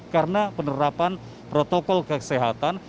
karena penerapan protokol kesehatan